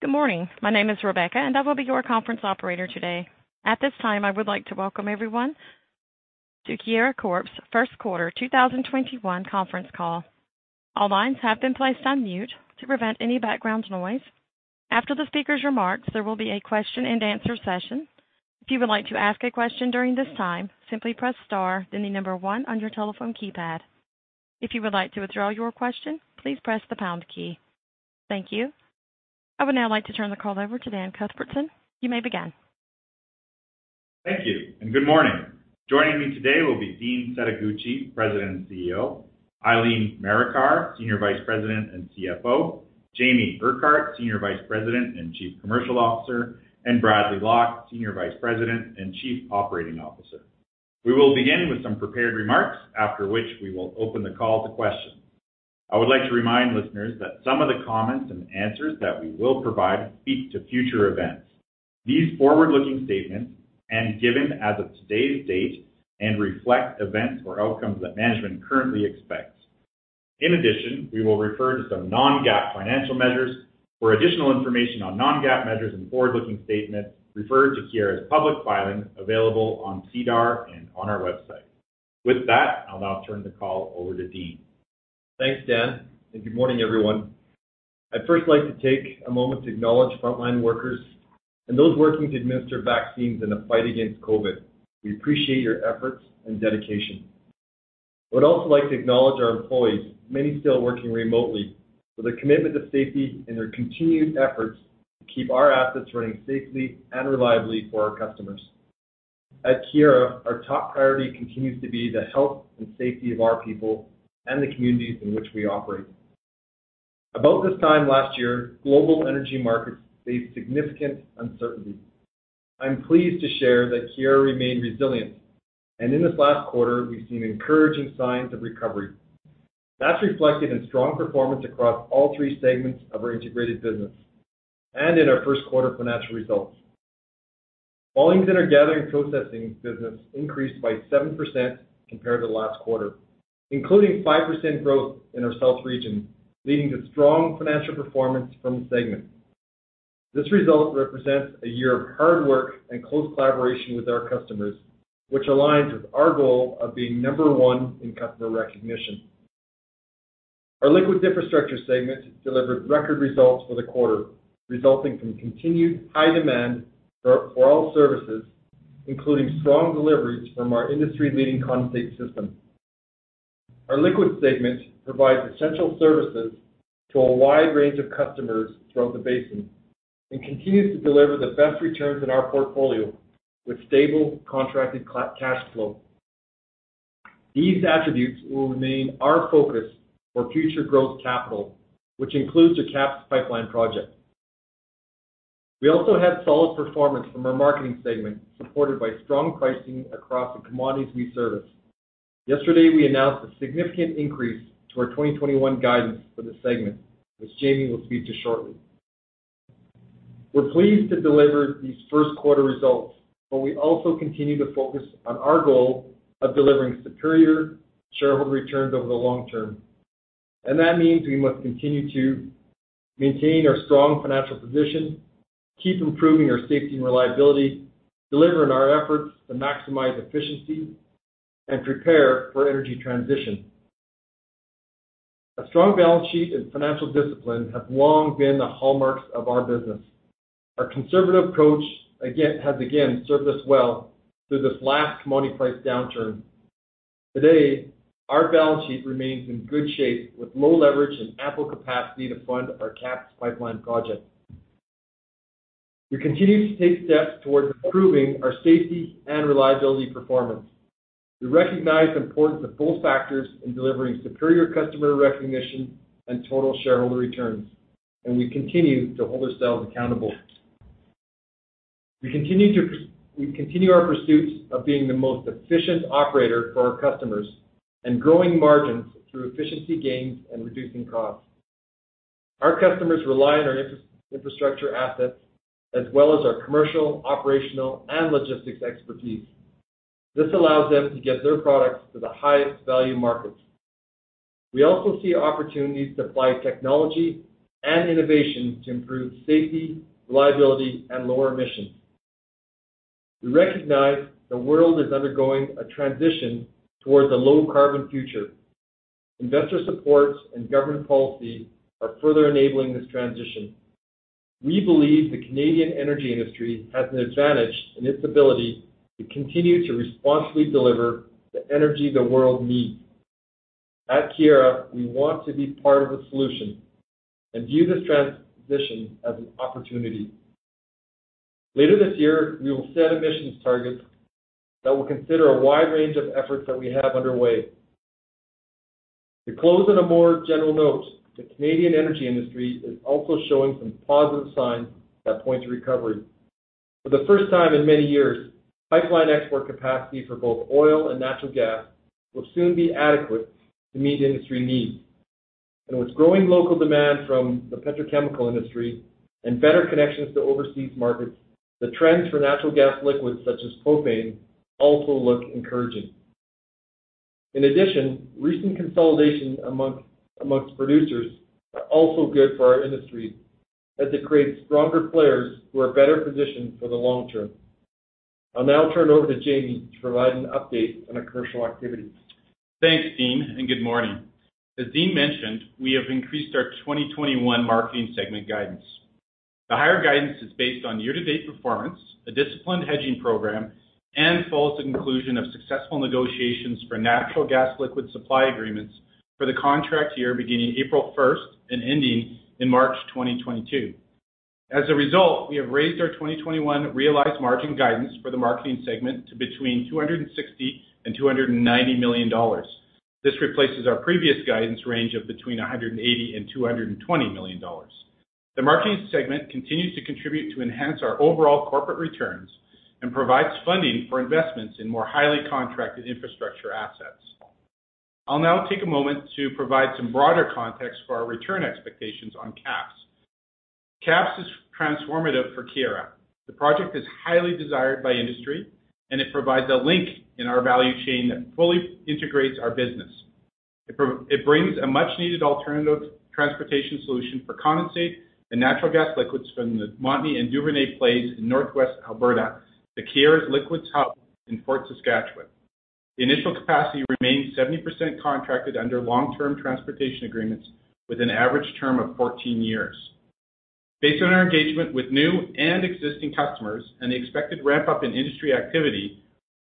Good morning. My name is Rebecca and I will be your conference operator today. At this time, I would like to welcome everyone to Keyera Corp's First Quarter 2021 conference call. All lines have been placed on mute to prevent any background noise. After the speaker's remarks, there will be a question and answer session. If you would like to ask a question during this time, simply press star then the number one on your telephone keypad. If you would like to withdraw your question, please press the pound key. Thank you. I would now like to turn the call over to Dan Cuthbertson. You may begin. Thank you and good morning. Joining me today will be Dean Setoguchi, President and CEO, Eileen Marikar, Senior Vice President and CFO, Jamie Urquhart, Senior Vice President and Chief Commercial Officer, and Bradley Lock, Senior Vice President and Chief Operating Officer. We will begin with some prepared remarks, after which we will open the call to questions. I would like to remind listeners that some of the comments and answers that we will provide speak to future events. These forward-looking statements end given as of today's date and reflect events or outcomes that management currently expects. In addition, we will refer to some non-GAAP financial measures. For additional information on non-GAAP measures and forward-looking statements, refer to Keyera's public filings available on SEDAR and on our website. With that, I'll now turn the call over to Dean. Thanks, Dan, and good morning, everyone. I'd first like to take a moment to acknowledge frontline workers and those working to administer vaccines in the fight against COVID. We appreciate your efforts and dedication. I would also like to acknowledge our employees, many still working remotely, for their commitment to safety and their continued efforts to keep our assets running safely and reliably for our customers. At Keyera, our top priority continues to be the health and safety of our people and the communities in which we operate. About this time last year, global energy markets faced significant uncertainty. I'm pleased to share that Keyera remained resilient, and in this last quarter, we've seen encouraging signs of recovery, and that's reflected in strong performance across all three segments of our integrated business and in our first quarter financial results. Volumes in our Gathering and Processing segment increased by 7% compared to last quarter, including 5% growth in our south region, leading to strong financial performance from the segment. This result represents a year of hard work and close collaboration with our customers, which aligns with our goal of being number one in customer recognition. Our Liquids Infrastructure segment delivered record results for the quarter, resulting from continued high demand for all services, including strong deliveries from our industry-leading condensate system. Our Liquids segment provides essential services to a wide range of customers throughout the basin and continues to deliver the best returns in our portfolio with stable contracted cash flow. These attributes will remain our focus for future growth capital, which includes the KAPS Pipeline project. We also had solid performance from our Marketing segment, supported by strong pricing across the commodities we service. Yesterday, we announced a significant increase to our 2021 guidance for the segment, which Jamie will speak to shortly. We're pleased to deliver these first-quarter results, but we also continue to focus on our goal of delivering superior shareholder returns over the long term. That means we must continue to maintain our strong financial position, keep improving our safety and reliability, deliver on our efforts to maximize efficiency, and prepare for energy transition. A strong balance sheet and financial discipline have long been the hallmarks of our business. Our conservative approach has, again, served us well through this last commodity price downturn. Today, our balance sheet remains in good shape with low leverage and ample capacity to fund our KAPS Pipeline project. We continue to take steps towards improving our safety and reliability performance. We recognize the importance of both factors in delivering superior customer recognition, and total shareholder returns, and we continue to hold ourselves accountable. We continue our pursuit of being the most efficient operator for our customers and growing margins through efficiency gains and reducing costs. Our customers rely on our infrastructure assets as well as our commercial, operational, and logistics expertise. This allows them to get their products to the highest value markets. We also see opportunities to apply technology and innovation to improve safety, reliability, and lower emissions. We recognize the world is undergoing a transition towards a low-carbon future. Investor support and government policy are further enabling this transition. We believe the Canadian energy industry has an advantage in its ability to continue to responsibly deliver the energy the world needs. At Keyera, we want to be part of the solution and view this transition as an opportunity. Later this year, we will set emissions targets that will consider a wide range of efforts that we have underway. To close on a more general note, the Canadian energy industry is also showing some positive signs that point to recovery. For the first time in many years, pipeline export capacity for both oil and natural gas will soon be adequate to meet industry needs. With growing local demand from the petrochemical industry and better connections to overseas markets, the trends for natural gas liquids such as propane also look encouraging. In addition, recent consolidation amongst producers are also good for our industry as it creates stronger players who are better positioned for the long term. I'll now turn it over to Jamie to provide an update on our commercial activity. Thanks, Dean, and good morning. As Dean mentioned, we have increased our 2021 Marketing segment guidance. The higher guidance is based on year-to-date performance, a disciplined hedging program, and follows the conclusion of successful negotiations for natural gas liquid supply agreements for the contract year beginning April 1st and ending in March 2022. As a result, we have raised our 2021 realized margin guidance for the Marketing segment to between 260 million and 290 million dollars. This replaces our previous guidance range of between 180 million and 220 million dollars. The Marketing segment continues to contribute to enhance our overall corporate returns and provides funding for investments in more highly contracted infrastructure assets. I'll now take a moment to provide some broader context for our return expectations on KAPS. KAPS is transformative for Keyera. The project is highly desired by industry and it provides a link in our value chain that fully integrates our business. It brings a much-needed alternative transportation solution for condensate and natural gas liquids from the Montney and Duvernay plays in Northwest Alberta, to Keyera's liquids hub in Fort Saskatchewan. The initial capacity remains 70% contracted under long-term transportation agreements with an average term of 14 years. Based on our engagement with new and existing customers and the expected ramp-up in industry activity,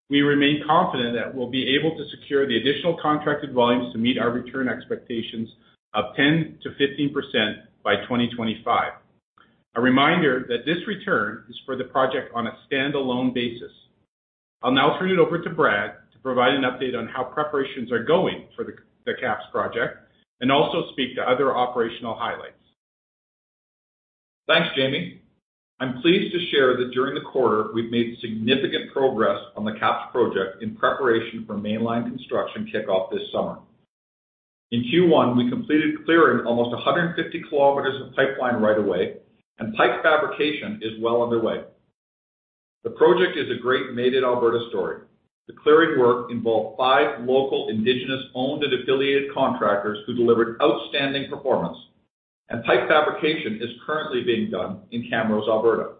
we remain confident that we'll be able to secure the additional contracted volumes to meet our return expectations of 10% to 15% by 2025. A reminder that this return is for the project on a standalone basis. I'll now turn it over to Brad to provide an update on how preparations are going for the KAPS project and also speak to other operational highlights. Thanks, Jamie. I'm pleased to share that during the quarter, we've made significant progress on the KAPS project in preparation for mainline construction kickoff this summer. In Q1, we completed clearing almost 150 km of pipeline right-of-way, and pipe fabrication is well underway. The project is a great made-in-Alberta story. The clearing work involved five local indigenous-owned and affiliated contractors who delivered outstanding performance, and pipe fabrication is currently being done in Camrose, Alberta.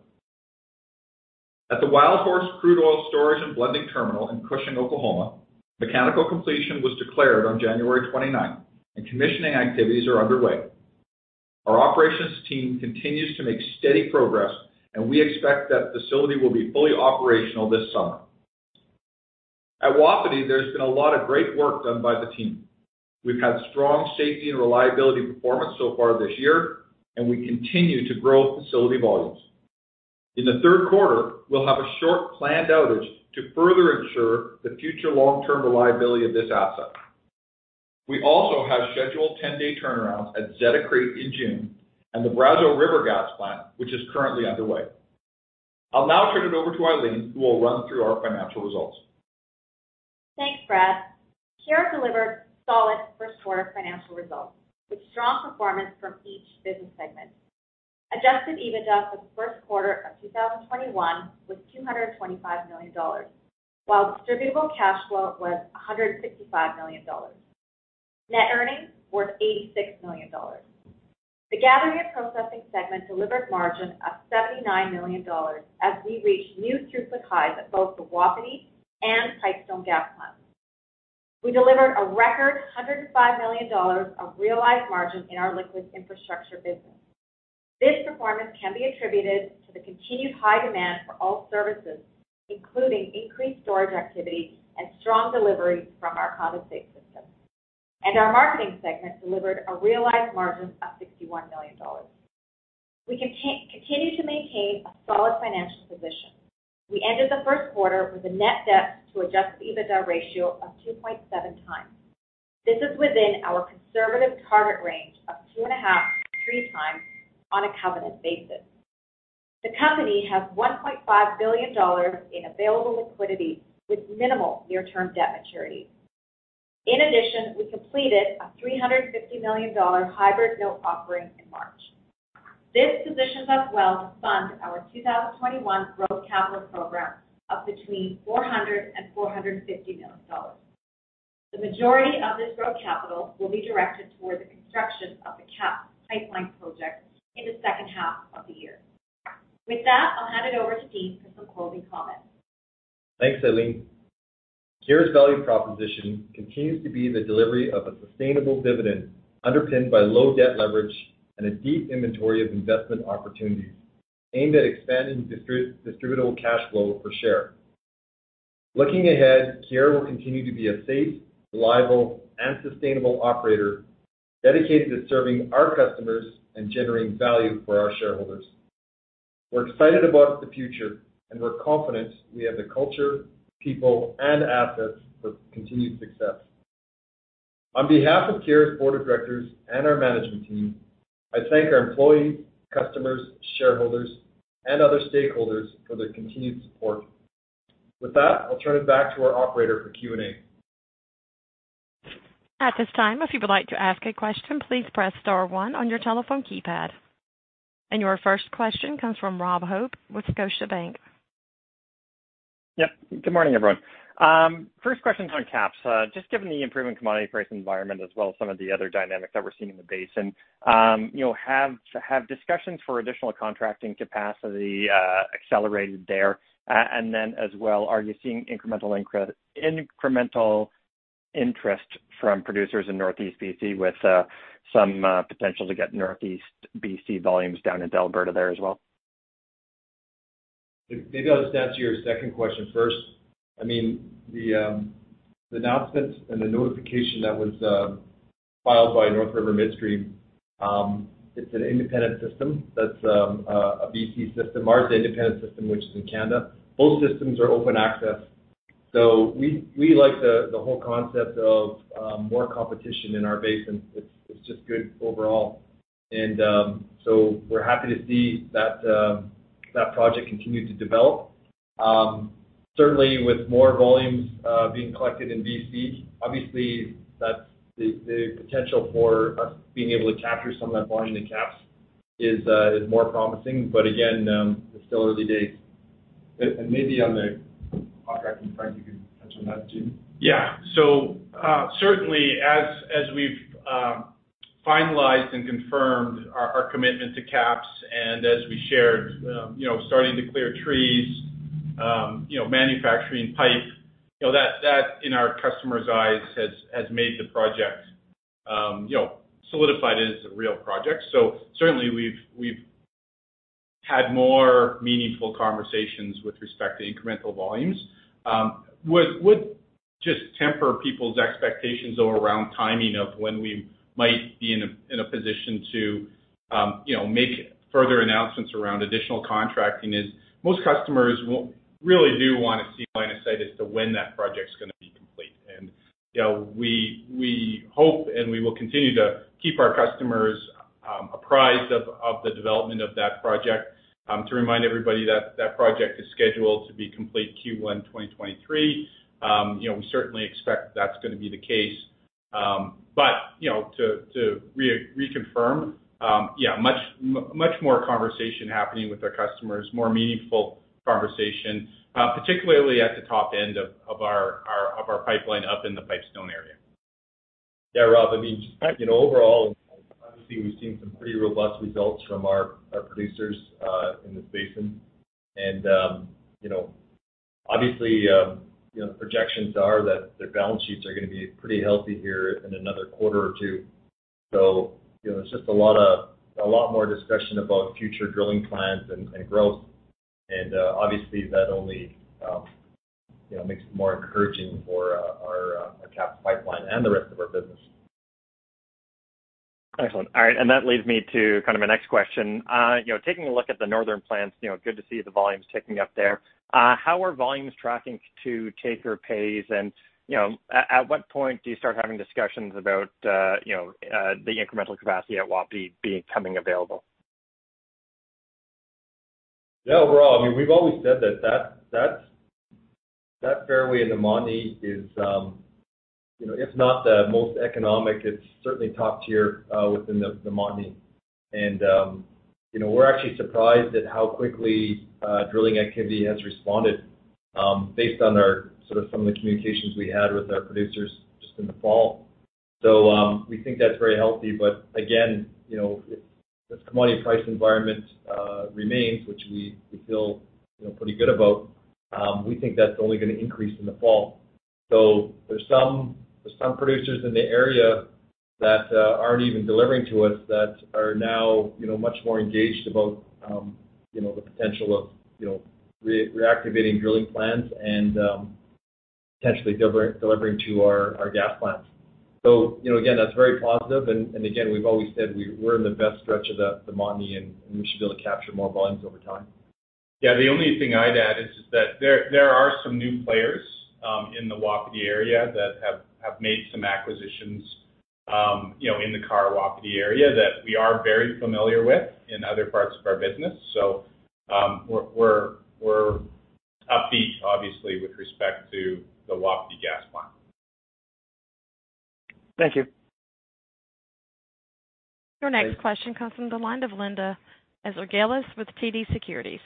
At the Wildhorse Terminal in Cushing, Oklahoma, mechanical completion was declared on January 29th, and commissioning activities are underway. Our operations team continues to make steady progress, we expect that the facility will be fully operational this summer. At Wapiti, there's been a lot of great work done by the team. We've had strong safety and reliability performance, so far this year, and we continue to grow facility volumes. In the third quarter, we'll have a short planned outage to further ensure the future long-term reliability of this asset. We also have scheduled 10-day turnarounds at Zeta Creek in June and the Brazeau River Gas Plant, which is currently underway. I'll now turn it over to Eileen, who will run through our financial results. Thanks, Brad. Keyera delivered solid first-quarter financial results with strong performance from each business segment. Adjusted EBITDA for the first quarter of 2021 was 225 million dollars, while distributable cash flow was 165 million dollars. Net earnings were 86 million dollars. The Gathering and Processing segment delivered a margin of 79 million dollars as we reached new throughput highs at both the Wapiti and Pipestone gas plants. We delivered a record 105 million dollars of realized margin in our Liquids Infrastructure business. This performance can be attributed to the continued high demand for all services, including increased storage activity and strong deliveries from our condensate system. Our Marketing segment delivered a realized margin of 61 million dollars. We continue to maintain a solid financial position. We ended the first quarter with a net debt to adjusted EBITDA ratio of 2.7x. This is within our conservative target range of 2.5x to 3x on a covenant basis. The company has 1.5 billion dollars in available liquidity with minimal near-term debt maturity. In addition, we completed a 350 million dollar hybrid note offering in March. This positions us well to fund our 2021 growth capital program of between 400 million dollars and CAD 450 million. The majority of this growth capital will be directed towards the construction of the KAPS Pipeline project in the second half of the year. With that, I'll hand it over to Dean for some closing comments. Thanks, Eileen. Keyera's value proposition continues to be the delivery of a sustainable dividend underpinned by low debt leverage and a deep inventory of investment opportunities aimed at expanding distributable cash flow per share. Looking ahead, Keyera will continue to be a safe, reliable, and sustainable operator dedicated to serving our customers and generating value for our shareholders. We're excited about the future, and we're confident we have the culture, people, and assets for continued success. On behalf of Keyera's Board of Directors and our management team, I thank our employees, customers, shareholders, and other stakeholders for their continued support. With that, I'll turn it back to our operator for Q&A. At this time, if you would like to ask a question, please press star one on your telephone keypad. Your first question comes from Rob Hope with Scotiabank. Yep. Good morning, everyone. First question's on KAPS, just given the improving commodity pricing environment as well as some of the other dynamics that we're seeing in the basin, have discussions for additional contracting capacity accelerated there? As well, are you seeing incremental interest from producers in Northeast B.C. with some potential to get Northeast B.C. volumes down into Alberta there as well? Maybe I'll just answer your second question first. The announcements and the notification that was filed by NorthRiver Midstream, it's an independent system that's a B.C. system. Ours is an independent system, which is in Canada. Both systems are open access. We like the whole concept of more competition in our basin. It's just good overall and so we're happy to see that project continue to develop. Certainly with more volumes being collected in B.C., obviously, the potential for us being able to capture some of that volume in KAPS is more promising. Again, it's still early days. Maybe on the contracting front, you could touch on that, Jamie. Yeah. Certainly as we've finalized and confirmed our commitment to KAPS and as we shared, you know, starting to clear trees, you know, manufacturing pipe, that in our customers' eyes has made the project, you know, solidified it as a real project. Certainly we've had more meaningful conversations with respect to incremental volumes. We would just temper people's expectations, though, around timing of when we might be in a position to make further announcements around additional contracting is most customers really do want to see line of sight as to when that project is going to be complete. We hope, and we will continue to keep our customers apprised of the development of that project. To remind everybody, that project is scheduled to be complete Q1 2023. We certainly expect that's going to be the case. To reconfirm, yeah, much more conversation happening with our customers, more meaningful conversation, particularly at the top end of our pipeline up in the Pipestone area. Rob, just overall, obviously, we've seen some pretty robust results from our producers in this basin. Obviously, projections are that their balance sheets are going to be pretty healthy here in another quarter or two. There's just a lot more discussion about future drilling plans and growth, and obviously, that only makes it more encouraging for our KAPS pipeline and the rest of our business. Excellent. All right, that leads me to my next question. Taking a look at the northern plans, good to see the volumes ticking up there. How are volumes tracking to take or pays? At what point do you start having discussions about the incremental capacity at Wapiti becoming available? Overall, we've always said that that fairway in the Montney is, if not the most economic, it's certainly top tier within the Montney. We're actually surprised at how quickly drilling activity has responded based on our, sort of some of the communications we had with our producers just in the fall, so we think that's very healthy. Again, if this commodity price environment remains, which we feel pretty good about, we think that's only going to increase in the fall. There's some producers in the area that aren't even delivering to us that are now much more engaged about the potential of reactivating drilling plans and potentially delivering to our gas plants. Again, that's very positive, and again, we've always said we're in the best stretch of the Montney, and we should be able to capture more volumes over time. Yeah, the only thing I'd add is just that there are some new players in the Wapiti area that have made some acquisitions, you know, in the Wapiti area that we are very familiar with in other parts of our business. We're upbeat, obviously, with respect to the Wapiti Gas Plant. Thank you. Your next question comes from the line of Linda Ezergailis with TD Securities.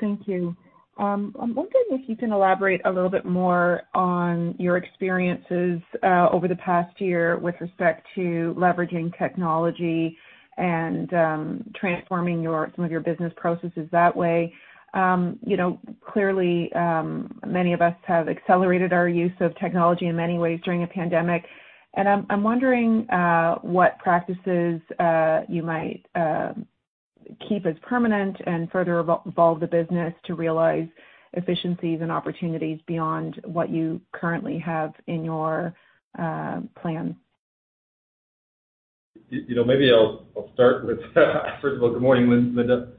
Thank you. I'm wondering if you can elaborate a little bit more on your experiences over the past year with respect to leveraging technology and transforming some of your business processes that way? Clearly, many of us have accelerated our use of technology in many ways during a pandemic, and I'm wondering what practices you might keep as permanent and further evolve the business to realize efficiencies and opportunities beyond what you currently have in your plans? You know, maybe I'll start with first of all, good morning, Linda.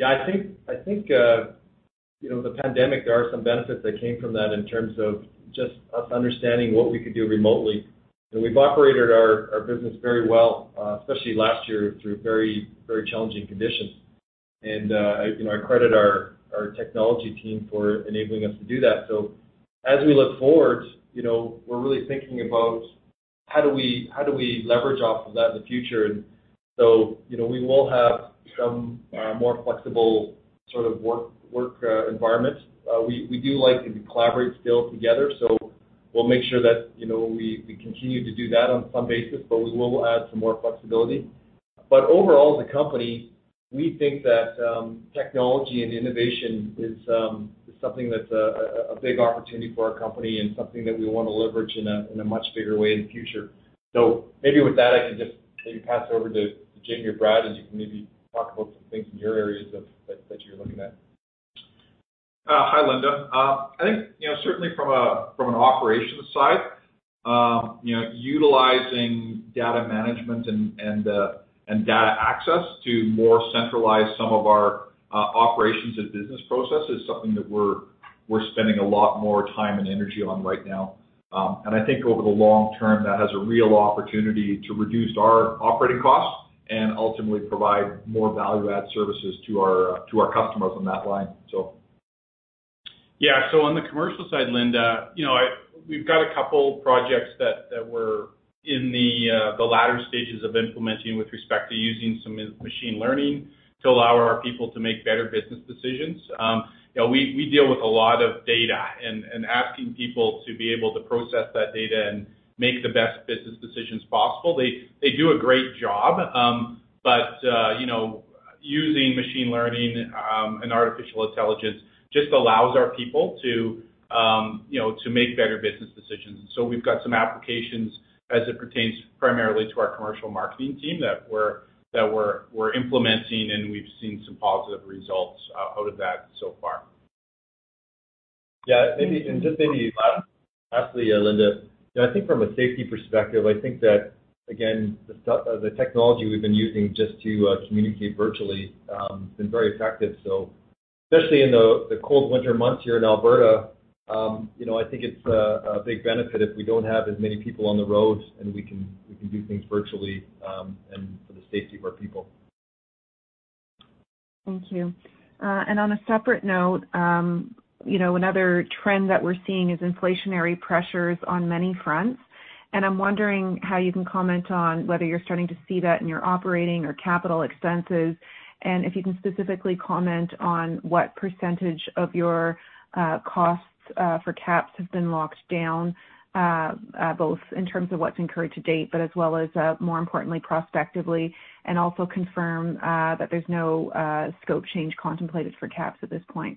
Yeah, I think, the pandemic, there are some benefits that came from that in terms of just us understanding what we could do remotely. We've operated our business very well, especially last year, through very challenging conditions. I credit our technology team for enabling us to do that. As we look forward, we're really thinking about how do we leverage off of that in the future. We will have some more flexible sort of work environment. We do like to collaborate still together, so we'll make sure that we continue to do that on some basis, but we will add some more flexibility. Overall, as a company, we think that technology and innovation is something that's a big opportunity for our company and something that we want to leverage in a much bigger way in the future. Maybe with that, I can just maybe pass it over to Jamie or Brad, and you can maybe talk about some things in your areas that you're looking at. Hi, Linda. I think, certainly from an operations side, you know, utilizing data management and data access to more centralize some of our operations and business process is something that we're spending a lot more time and energy on right now. I think over the long term, that has a real opportunity to reduce our operating costs and ultimately provide more value-add services to our customers on that line. Yeah, so on the commercial side, Linda, we've got a couple projects that were in the latter stages of implementing with respect to using some machine learning to allow our people to make better business decisions. We deal with a lot of data, and asking people to be able to process that data and make the best business decisions possible, they do a great job. Using machine learning and artificial intelligence just allows our people to make better business decisions. We've got some applications as it pertains primarily to our commercial marketing team that we're implementing, and we've seen some positive results out of that so far. Yeah, and just maybe lastly, Linda, I think from a safety perspective, I think that again, the technology we've been using just to communicate virtually, has been very effective, so especially in the cold winter months here in Alberta, you know, I think it's a big benefit if we don't have as many people on the roads, and we can do things virtually, and for the safety of our people. Thank you. On a separate note, another trend that we're seeing is inflationary pressures on many fronts. I'm wondering how you can comment on whether you're starting to see that in your operating or capital expenses, and if you can specifically comment on what percentage of your costs for KAPS have been locked down, both in terms of what's incurred to date, but as well as, more importantly, prospectively, and also confirm that there's no scope change contemplated for KAPS at this point.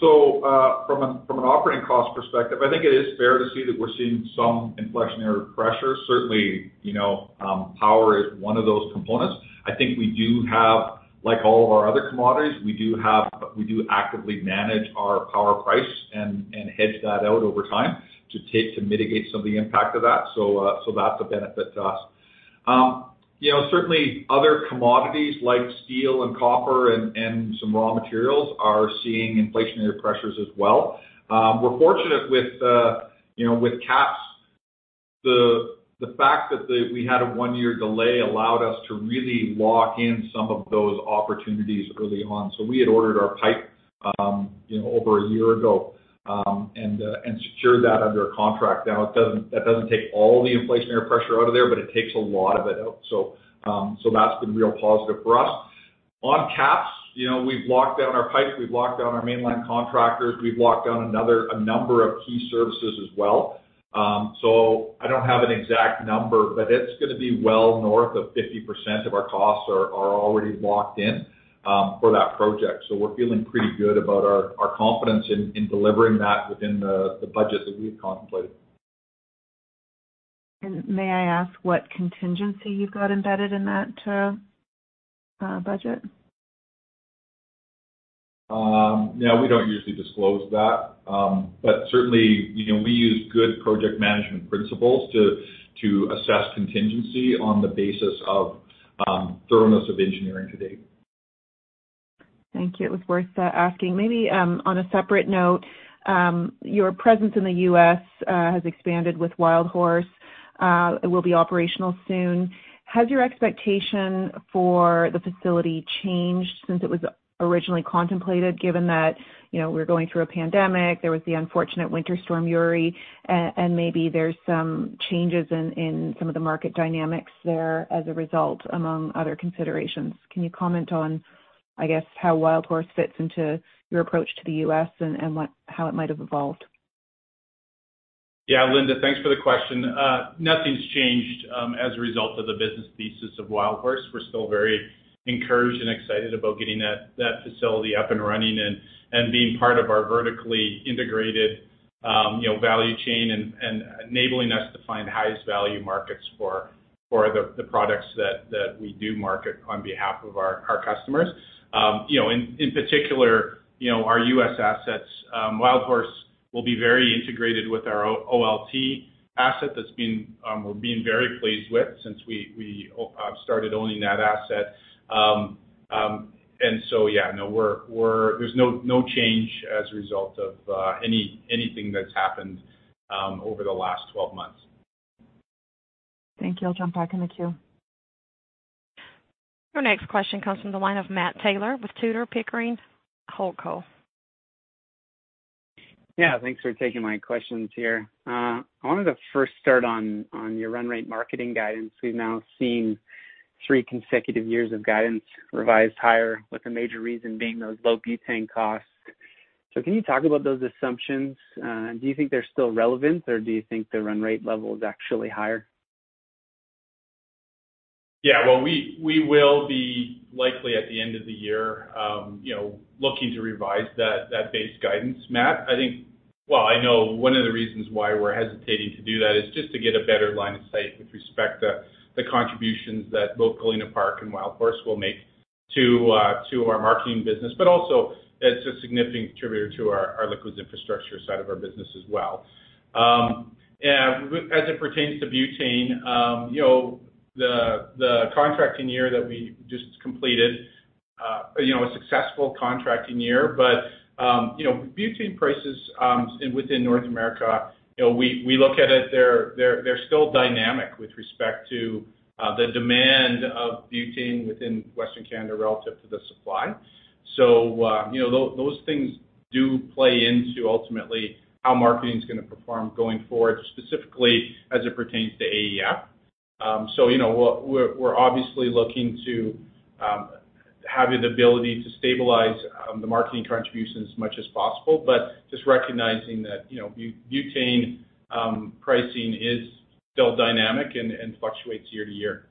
From an operating cost perspective, I think it is fair to see that we're seeing some inflationary pressures. Certainly, you know, power is one of those components. I think we do have, like all of our other commodities, we do actively manage our power price and hedge that out over time to mitigate some of the impact of that, so that's a benefit to us. Certainly, other commodities like steel and copper and some raw materials are seeing inflationary pressures as well. We're fortunate with KAPS, the fact that we had a one-year delay allowed us to really lock in some of those opportunities early on. We had ordered our pipe over a year ago, and secured that under a contract. Now, that doesn't take all the inflationary pressure out of there, but it takes a lot of it out, so that's been real positive for us. On KAPS, we've locked down our pipes, we've locked down our mainline contractors, we've locked down a number of key services as well. I don't have an exact number, but it's going to be well north of 50% of our costs are already locked in for that project. We're feeling pretty good about our confidence in delivering that within the budget that we had contemplated. May I ask what contingency you've got embedded in that budget? Yeah, we don't usually disclose that, but, certainly, we use good project management principles to assess contingency on the basis of thoroughness of engineering to date. Thank you. It was worth asking. Maybe on a separate note, your presence in the U.S. has expanded with Wildhorse. It will be operational soon. Has your expectation for the facility changed since it was originally contemplated, given that, you know, we're going through a pandemic, there was the unfortunate Winter Storm Uri, and maybe there's some changes in some of the market dynamics there as a result, among other considerations? Can you comment on, I guess, how Wildhorse fits into your approach to the U.S. and how it might have evolved? Yeah, Linda, thanks for the question. Nothing's changed as a result of the business thesis of Wildhorse. We're still very encouraged and excited about getting that facility up and running and being part of our vertically integrated, you know, value chain and enabling us to find the highest value markets for the products that we do market on behalf of our customers, you know, in particular, our U.S. assets. Wildhorse will be very integrated with our OLT asset that we've been very pleased with since we started owning that asset. Yeah, there's no change as a result of anything that's happened over the last 12 months. Thank you. I'll jump back in the queue. Your next question comes from the line of Matt Taylor with Tudor, Pickering, Holt & Co. Yeah. Thanks for taking my questions here. I wanted to first start on your run rate marketing guidance. We've now seen three consecutive years of guidance revised higher, with a major reason being those low butane costs. Can you talk about those assumptions? Do you think they're still relevant, or do you think the run rate level is actually higher? Well, we will be likely at the end of the year, you know, looking to revise that base guidance, Matt. I think, well, I know one of the reasons why we're hesitating to do that is just to get a better line of sight with respect to the contributions that both Galena Park and Wildhorse Terminal will make to two of our marketing business, but also it's a significant contributor to our Liquids Infrastructure segment side of our business as well. As it pertains to butane, you know, the contracting year that we just completed, a successful contracting year, but butane prices within North America, we look at it, they're still dynamic with respect to the demand of butane within Western Canada relative to the supply. Those things do play into ultimately how Marketing's going to perform going forward, specifically as it pertains to AEF. You know, we're obviously looking to having the ability to stabilize the marketing contribution as much as possible, but just recognizing that butane pricing is still dynamic and fluctuates year-to-year.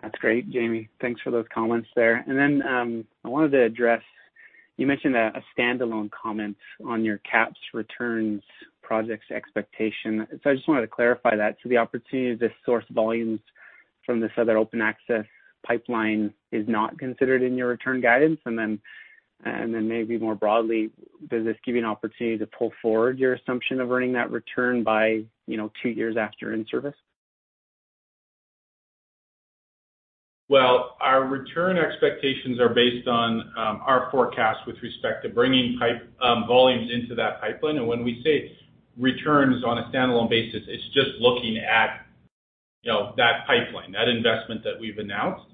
That's great, Jamie. Thanks for those comments there. I wanted to address, you mentioned a standalone comment on your KAPS returns projects expectation, and so I just wanted to clarify that. The opportunity to source volumes from this other open access pipeline is not considered in your return guidance? Then maybe more broadly, does this give you an opportunity to pull forward your assumption of earning that return by two years after in-service? Well, our return expectations are based on our forecast with respect to bringing volumes into that pipeline, and when we say return is on a standalone basis, it's just looking at that pipeline, that investment that we've announced.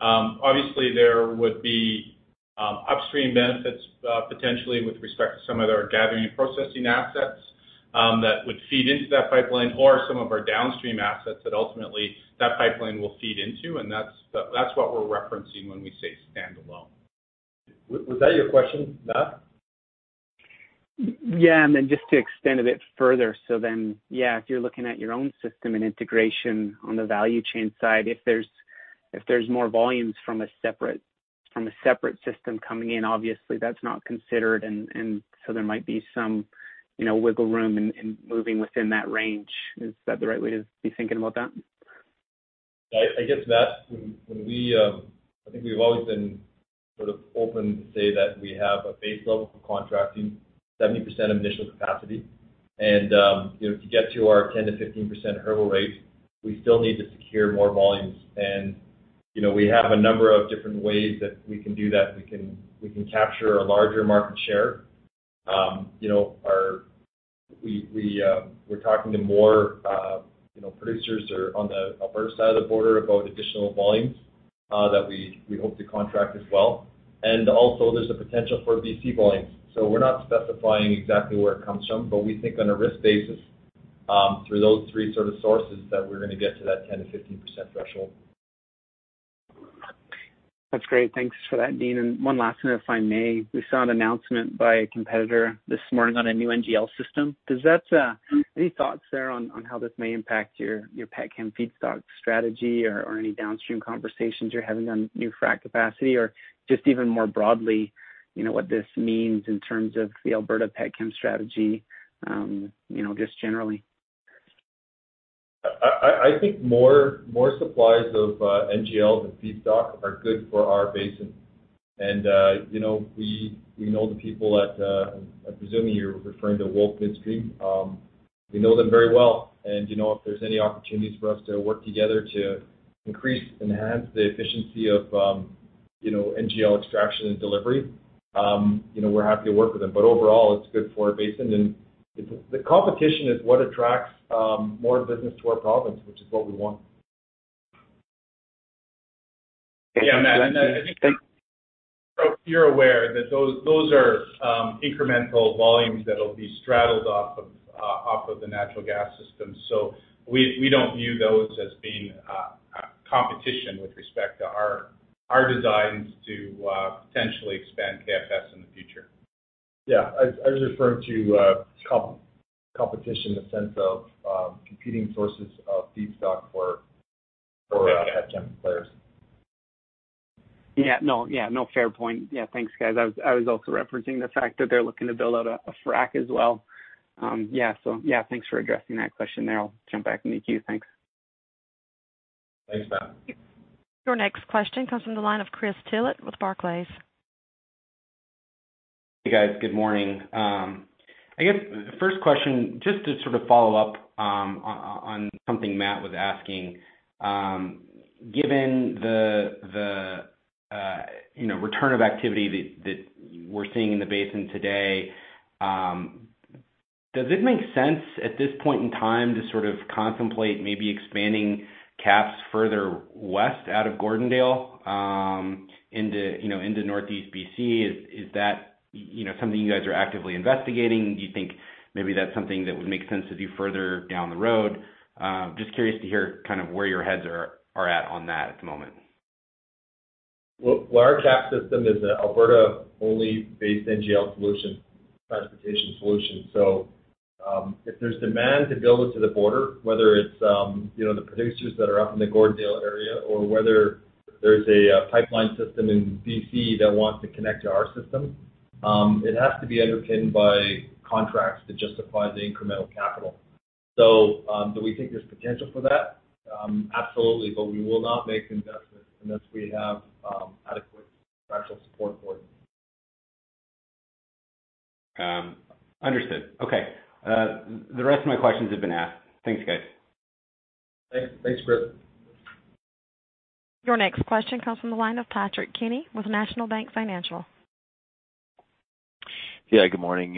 Obviously, there would be upstream benefits, potentially with respect to some of our gathering processing assets that would feed into that pipeline or some of our downstream assets that ultimately that pipeline will feed into, and that's what we're referencing when we say standalone. Was that your question, Matt? Yeah, and then just to extend a bit further. Yeah, if you're looking at your own system and integration on the value chain side, if there's more volumes from a separate system coming in, obviously that's not considered, and so there might be some wiggle room in moving within that range. Is that the right way to be thinking about that? I guess, Matt, I think we've always been sort of open to say that we have a base level for contracting 70% of initial capacity, and to get to our 10% to 15% hurdle rate, we still need to secure more volumes. We have a number of different ways that we can do that. We can capture a larger market share. We're talking to more producers that are on the Alberta side of the border about additional volumes that we hope to contract as well. Also, there's a potential for B.C. volumes. We're not specifying exactly where it comes from, but we think on a risk basis, through those three sort of sources that we're going to get to that 10% to 15% threshold. That's great, thanks for that, Dean, and one last one, if I may. We saw an announcement by a competitor this morning on a new NGL system. Any thoughts there on how this may impact your pet chem feedstock strategy or any downstream conversations you're having on new frac capacity or just even more broadly, what this means in terms of the Alberta pet chem strategy, just generally? I think more supplies of NGL than feedstock are good for our basin. We know the people at, I'm presuming you're referring to Wolf Midstream. We know them very well and, you know, If there's any opportunities for us to work together to increase, enhance the efficiency of NGL extraction and delivery, we're happy to work with them. Overall, it's good for our basin. The competition is what attracts more business to our province, which is what we want. Yeah, Matt, I think you're aware that those are incremental volumes that'll be straddled off of the natural gas system. We don't view those as being competition with respect to our designs to potentially expand KFS in the future. Yeah, I was referring to competition in the sense of competing sources of feedstock for pet chem players. Yeah, no, fair point. Thanks, guys. I was also referencing the fact that they're looking to build out a frac as well. Thanks for addressing that question there. I'll jump back in the queue. Thanks. Thanks, Matt. Your next question comes from the line of Christopher Tillett with Barclays. Hey, guys. Good morning. I guess the first question, just to sort of follow up on something Matt was asking. Given the, you know, return of activity that we're seeing in the basin today, does it make sense at this point in time to sort of contemplate maybe expanding KAPS further west out of Gordondale into Northeast B.C.? Is that, you know, something you guys are actively investigating? Do you think maybe that's something that would make sense to do further down the road? I'm just curious to hear kind of where your heads are at on that at the moment. Well, our KAPS system is an Alberta-only based NGL transportation solution. If there's demand to build it to the border, whether it's the producers that are up in the Gordondale area or whether there's a pipeline system in B.C. that wants to connect to our system, it has to be underpinned by contracts that justify the incremental capital. Do we think there's potential for that? Absolutely. We will not make investments unless we have adequate contractual support for it. Understood. Okay. The rest of my questions have been asked. Thanks, guys. Thanks, Chris. Your next question comes from the line of Patrick Kenny with National Bank Financial. Yeah, good morning.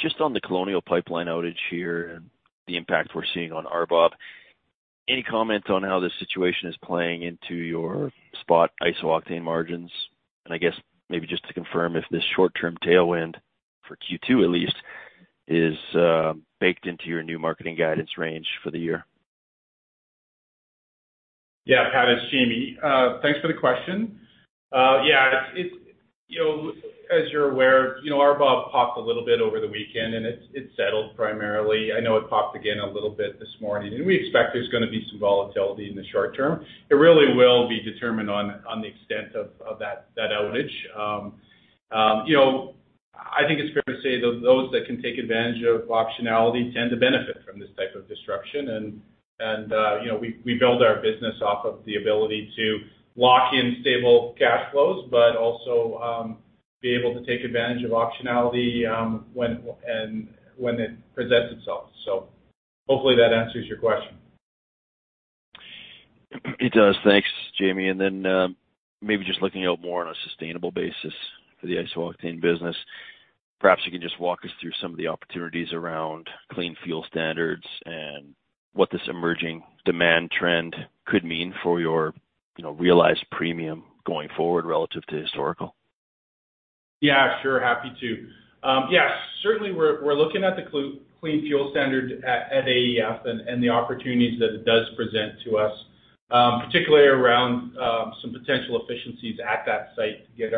Just on the Colonial Pipeline outage here and the impact we're seeing on RBOB, any comment on how this situation is playing into your spot iso-octane margins? I guess maybe just to confirm if this short-term tailwind, for Q2 at least, is baked into your new Marketing guidance range for the year. Yeah, Pat, it's Jamie. Thanks for the question. Yeah, as you're aware, you know, RBOB popped a little bit over the weekend, and it settled primarily. I know it popped again a little bit this morning, and we expect there's going to be some volatility in the short term. It really will be determined on the extent of that outage. You know, I think it's fair to say, those that can take advantage of optionality tend to benefit from this type of disruption, and we build our business off of the ability to lock in stable cash flows, but also be able to take advantage of optionality when it presents itself. Hopefully that answers your question. It does. Thanks, Jamie. Then, maybe just looking out more on a sustainable basis for the iso-octane business, perhaps you can just walk us through some of the opportunities around Clean Fuel Standards and what this emerging demand trend could mean for your realized premium going forward relative to historical. Yeah, sure, happy to. Yeah, certainly we're looking at the Clean Fuel Standard at AEF and the opportunities that it does present to us, particularly around some potential efficiencies at that site to get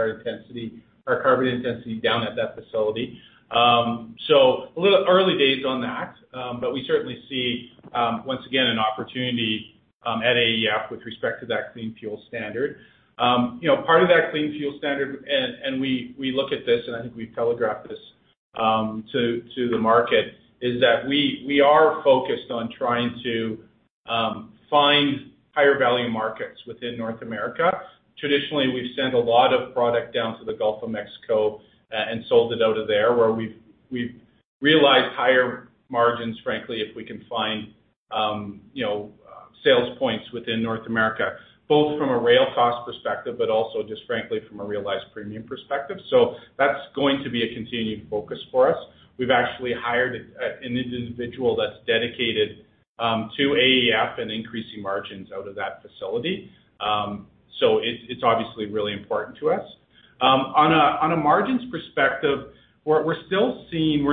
our carbon intensity down at that facility. We're on early days on that, but we certainly see, once again, an opportunity at AEF with respect to that Clean Fuel Standard. Part of that Clean Fuel Standard, and we look at this, and I think we've telegraphed this to the market, is that we are focused on trying to find higher value markets within North America. Traditionally, we've sent a lot of product down to the Gulf of Mexico and sold it out of there, where we've realized higher margins, frankly, if we can find sales points within North America, both from a rail cost perspective, but also just frankly from a realized premium perspective. That's going to be a continued focus for us. We've actually hired an individual that's dedicated to AEF and increasing margins out of that facility. It's obviously really important to us. On a margins perspective, we're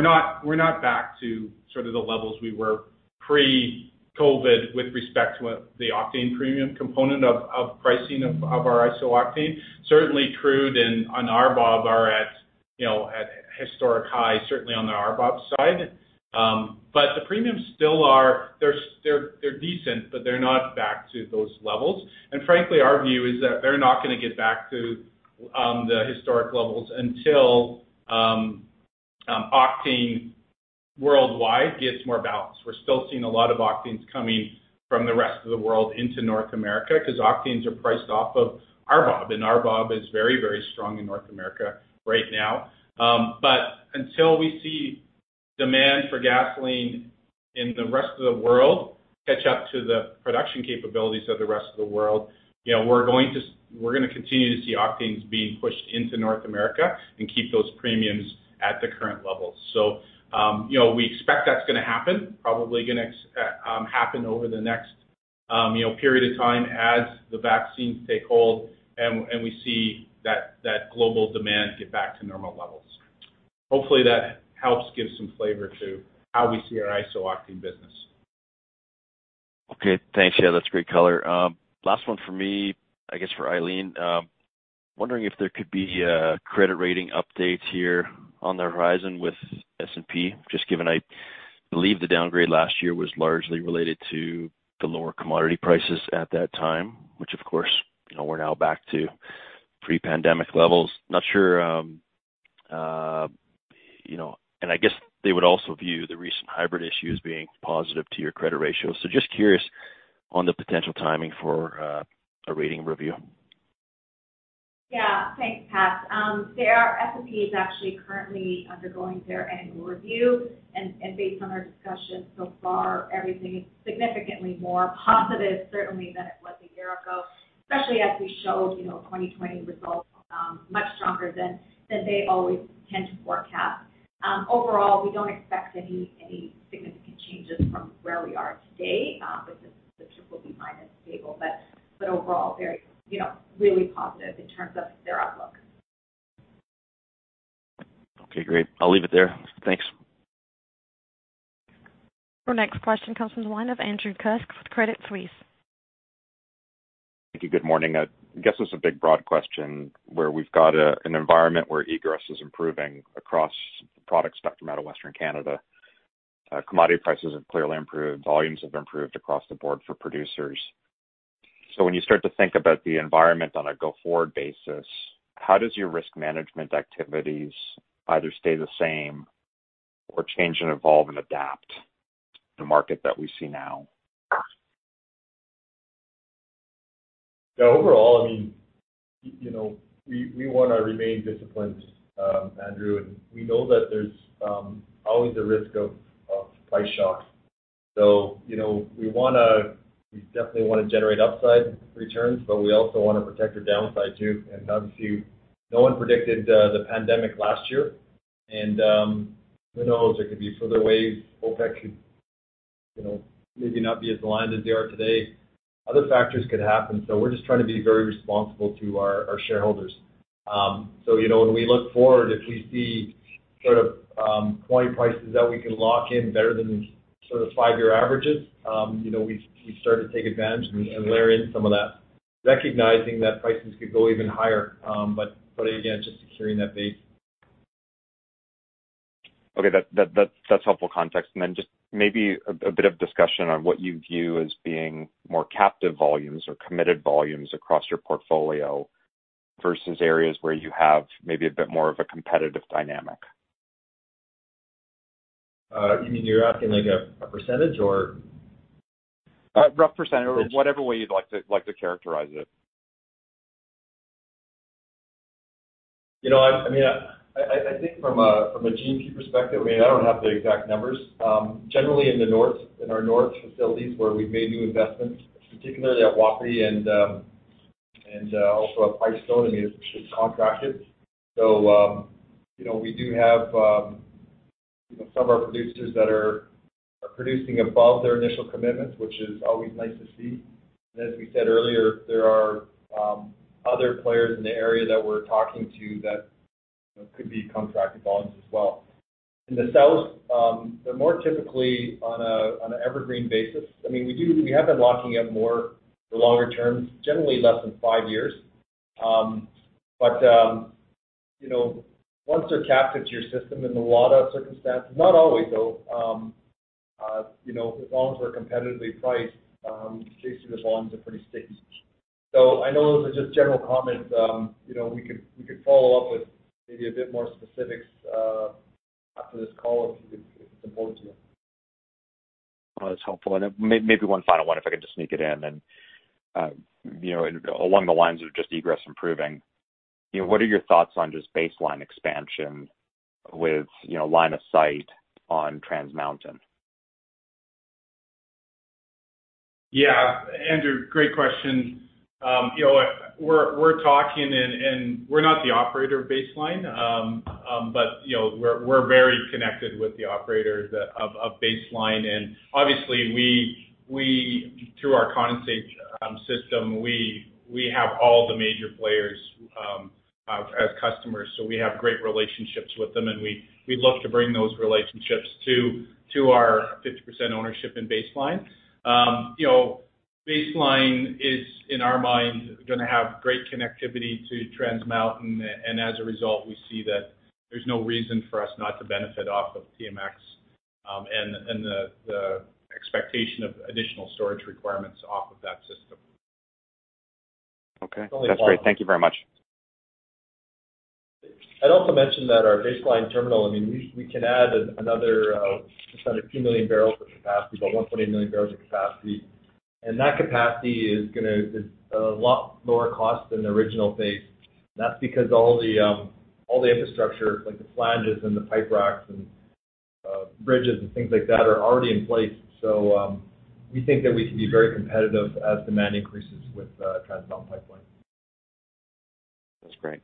not back to sort of the levels we were pre-COVID with respect to the octane premium component of pricing of our iso-octane. Certainly crude and on RBOB are at historic highs, certainly on the RBOB side. The premiums, they're decent, but they're not back to those levels. Frankly, our view is that they're not going to get back to the historic levels until octane worldwide gets more balanced. We're still seeing a lot of octanes coming from the rest of the world into North America because octanes are priced off of RBOB, and RBOB is very, very strong in North America right now. Until we see demand for gasoline in the rest of the world catch up to the production capabilities of the rest of the world, you know, we're going to continue to see octanes being pushed into North America and keep those premiums at the current levels. We expect that's going to happen, probably going to happen over the next period of time as the vaccines take hold and we see that global demand get back to normal levels. Hopefully, that helps give some flavor to how we see our iso-octane business. Okay. Thanks, yeah, that's great color. Last one from me, I guess for Eileen. I'm wondering if there could be credit rating updates here on the horizon with S&P, just given I believe the downgrade last year was largely related to the lower commodity prices at that time, which, of course, you know, we're now back to pre-pandemic levels. I guess they would also view the recent hybrid issues being positive to your credit ratio, so just curious on the potential timing for a rating review. Yeah. Thanks, Pat. S&P is actually currently undergoing their annual review, and based on our discussions so far, everything is significantly more positive certainly than it was a year ago, especially as we showed 2020 results much stronger than they always tend to forecast. Overall, we don't expect any significant changes from where we are today, which is the BBB- stable. Overall, really positive in terms of their outlook. Okay, great. I'll leave it there. Thanks. Your next question comes from the line of Andrew Kuske with Credit Suisse. Thank you. Good morning. I guess it's a big broad question where we've got an environment where egress is improving across the product spectrum out of Western Canada. Commodity prices have clearly improved, volumes have improved across the board for producers. When you start to think about the environment on a go-forward basis, how does your risk management activities either stay the same or change and evolve and adapt to the market that we see now? Yeah. Overall, you know, we want to remain disciplined, Andrew. We know that there's always a risk of price shocks. We definitely want to generate upside returns, but we also want to protect our downside, too. Obviously, no one predicted the pandemic last year, and who knows, there could be further waves. OPEC could maybe not be as aligned as they are today. Other factors could happen, so we're just trying to be very responsible to our shareholders. When we look forward, if we see sort of, commodity prices that we can lock in better than sort of five-year averages, we start to take advantage and layer in some of that, recognizing that prices could go even higher. Again, just securing that base. Okay, that's helpful context, and then just maybe a bit of discussion on what you view as being more captive volumes or committed volumes across your portfolio versus areas where you have maybe a bit more of a competitive dynamic. You mean you're asking, like a percentage or? A rough percentage or whatever way you'd like to characterize it. You know, I think from a G&P perspective, I don't have the exact numbers. Generally in the North, in our North facilities where we've made new investments, particularly at Wapiti and also at Pipestone, it's contracted. You know, we do have some of our producers that are producing above their initial commitments, which is always nice to see. As we said earlier, there are other players in the area that we're talking to that could be contracted volumes as well. In the South, they're more typically on an evergreen basis. We have been locking up more for longer terms, generally less than five years. Once they're captive to your system in a lot of circumstances, not always though, you know, if volumes are competitively priced, usually the volumes are pretty sticky. I know those are just general comments. We could follow up with maybe a bit more specifics after this call if it's important to you. No, that's helpful, and maybe one final one, if I could just sneak it in. Along the lines of just egress improving, what are your thoughts on just Base Line expansion with line of sight on Trans Mountain? Yeah. Andrew, great question. We're talking and we're not the operator of Base Line, but we're very connected with the operators of Base Line, and obviously, through our condensate system, we have all the major players as customers, so we have great relationships with them, and we'd love to bring those relationships to our 50% ownership in Base Line. Base Line is, in our mind, going to have great connectivity to Trans Mountain, and as a result, we see that there's no reason for us not to benefit off of TMX and the expectation of additional storage requirements off of that system. Okay, that's great. Thank you very much. I'd also mention that our Base Line Terminal, we can add another, just under 2 million barrels of capacity, about 1.8 million barrels of capacity. That capacity is a lot lower cost than the original phase. That's because all the infrastructure, like the flanges and the pipe racks, and bridges, and things like that are already in place. We think that we can be very competitive as demand increases with Trans Mountain Pipeline. That's great.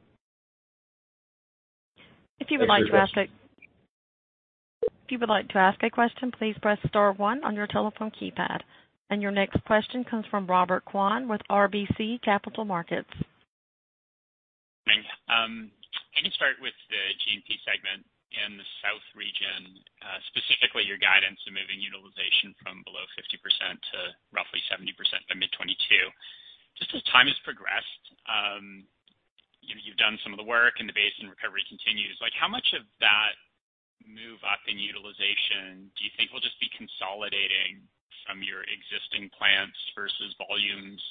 If you would like to ask a question, please press star one on your telephone keypad and your next question comes from Robert Kwan with RBC Capital Markets. Thanks. Can you start with the G&P segment in the South Region, specifically your guidance in moving utilization from below 50% to roughly 70% by mid-2022? Just as time has progressed, you know, you've done some of the work and the basin recovery continues. How much of that move up in utilization do you think will just be consolidating some of your existing plants versus volumes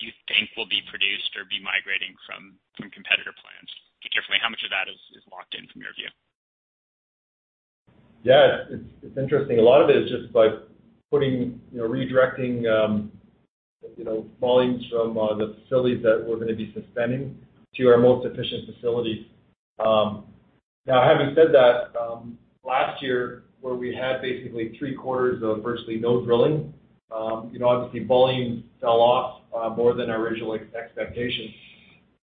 do you think will be produced or be migrating from competitor plants differently? How much of that is locked in from your view? Yeah, it's interesting. A lot of it is just by redirecting volumes from the facilities that we're going to be suspending to our most efficient facilities. Now, having said that, last year, where we had basically three-quarters of virtually no drilling, obviously volume fell off more than our original expectations.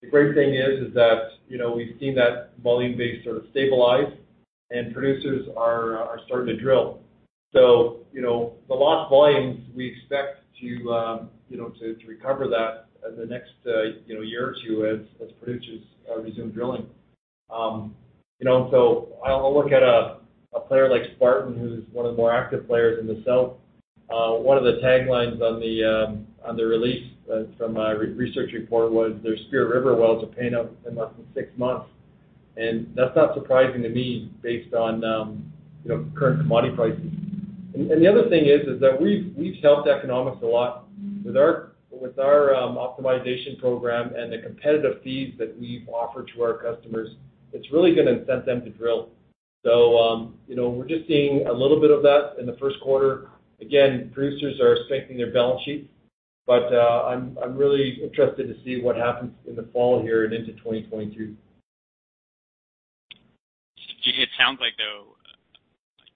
The great thing is, is that we've seen that volume base sort of stabilize, and producers are starting to drill. The lost volumes, we expect to recover that in the, you know, next year or two as producers resume drilling. I'll look at a player like Spartan, who's one of the more active players in the south. One of the taglines on the release from my research report was their Spirit River wells are paying out in less than six months, and that's not surprising to me based on current commodity prices. The other thing is that we've helped economics a lot with our optimization program and the competitive fees that we've offered to our customers. It's really going to incent them to drill. We're just seeing a little bit of that in the first quarter. Again, producers are strengthening their balance sheet, but I'm really interested to see what happens in the fall here and into 2022. It sounds like, though,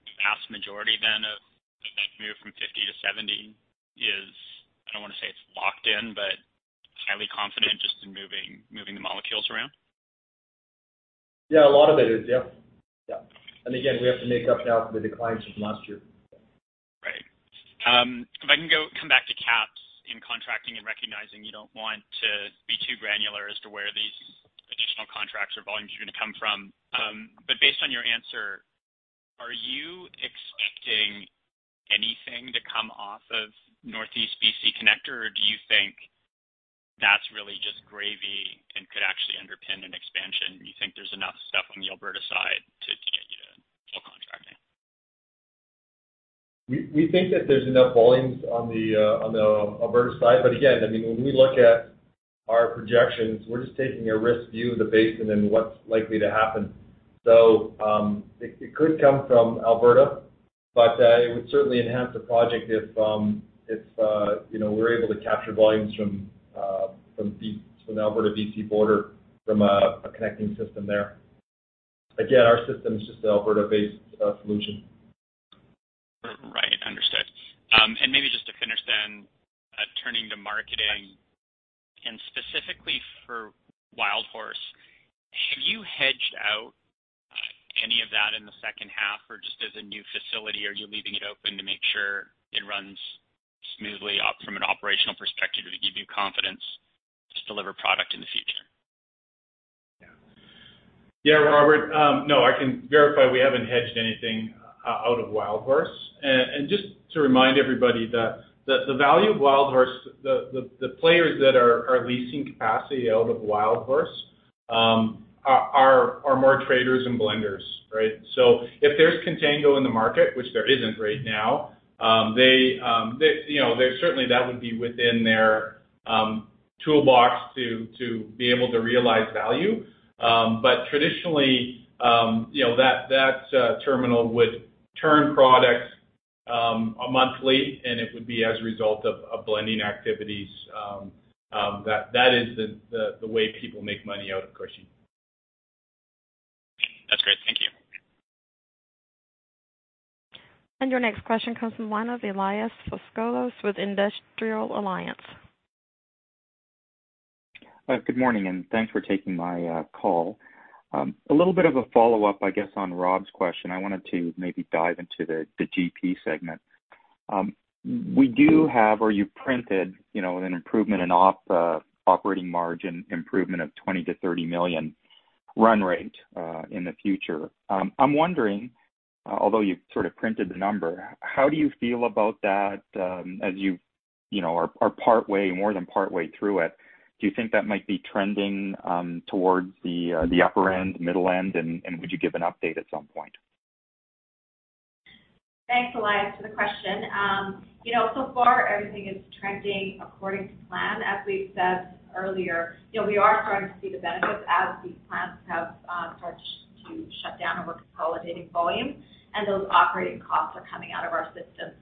the vast majority then of that move from 50% to 70% is, I don't want to say it's locked in, but highly confident just in moving the molecules around. Yeah, a lot of it is, yeah. Again, we have to make up now for the declines from last year. Right, if I can come back to KAPS in contracting and recognizing you don't want to be too granular as to where these additional contracts or volumes are going to come from. Based on your answer, are you expecting anything to come off of Northeast BC Connector, or do you think that's really just gravy and could actually underpin an expansion? Do you think there's enough stuff on the Alberta side to get you to full contracting? We think that there's enough volumes on the Alberta side. Again, when we look at our projections, we're just taking a risk view of the basin and what's likely to happen. It could come from Alberta, but it would certainly enhance the project if we're able to capture volumes from the Alberta/BC border from a connecting system there. Again, our system is just an Alberta-based solution. Right, understood, and then maybe just to finish then, turning to Marketing and specifically for Wildhorse, have you hedged out any of that in the second half or just as a new facility? Are you leaving it open to make sure it runs smoothly from an operational perspective to give you confidence to deliver product in the future? Yeah, Robert, no, I can verify we haven't hedged anything out of Wildhorse, and just to remind everybody that the value of Wildhorse, the players that are leasing capacity out of Wildhorse are more traders and blenders, right? If there's contango in the market, which there isn't right now, certainly that would be within their toolbox to be able to realize value. Traditionally, that terminal would turn products monthly, and it would be as a result of blending activities. That is the way people make money out of Cushing. That's great. Thank you. Your next question comes from the line of Elias Foscolos with Industrial Alliance. Good morning and thanks for taking my call. A little bit of a follow-up, I guess, on Rob's question. I wanted to maybe dive into the G&P segment. We do have, or you printed, an improvement in operating margin, improvement of 20 million to 30 million run rate in the future. I'm wondering, although you've sort of printed the number, how do you feel about that as you are more than partway through it? Do you think that might be trending towards the upper end, middle end, and would you give an update at some point? Thanks, Elias, for the question. You know, so far everything is trending according to plan. As we've said earlier, we are starting to see the benefits as these plants have started to shut down and we're consolidating volume and those operating costs are coming out of our system.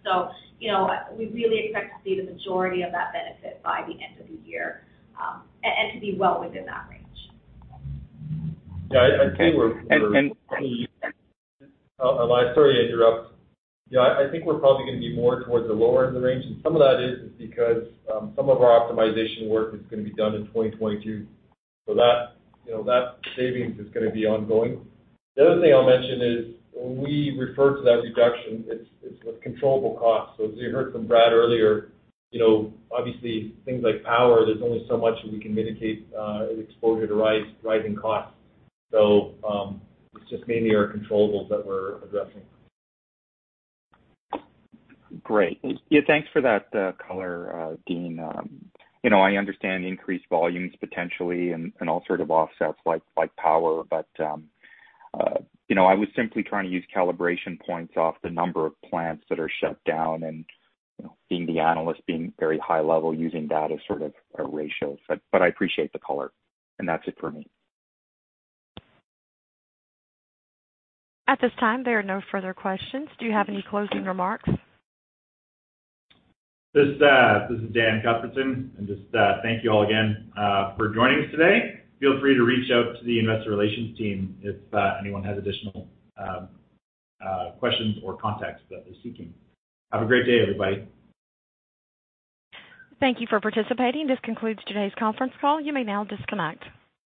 We really expect to see the majority of that benefit by the end of the year and to be well within that range. Yeah, I'd say. Okay. Elias, sorry to interrupt. Yeah, I think we're probably going to be more towards the lower end of the range. Some of that is because some of our optimization work is going to be done in 2022. You know, that savings is going to be ongoing. The other thing I'll mention is when we refer to that reduction, it's with controllable costs. As you heard from Brad earlier, obviously things like power, there's only so much that we can mitigate exposure to rising costs. It's just mainly our controllables that we're addressing. Great, yeah, thanks for that color, Dean. I understand the increased volumes potentially and all sort of offsets like power, but I was simply trying to use calibration points off the number of plants that are shut down and, you know, being the analyst, being very high level, using that as sort of a ratio. I appreciate the color and that's it for me. At this time, there are no further questions. Do you have any closing remarks? This is Dan Cuthbertson and just thank you all again for joining us today. Feel free to reach out to the investor relations team if anyone has additional questions or contacts that they're seeking. Have a great day, everybody. Thank you for participating. This concludes today's conference call. You may now disconnect.